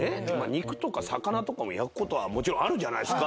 肉とか魚とか焼くことはもちろんあるじゃないですか。